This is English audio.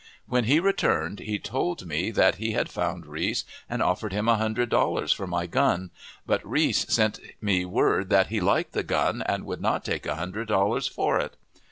When he returned he told me that he had found Reese and offered him a hundred dollars for my gun, but Reese sent me word that he liked the gun, and would not take a hundred dollars for it.